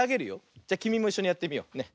じゃきみもいっしょにやってみよう。ね。